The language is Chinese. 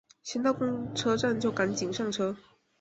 先到公车站就赶快上车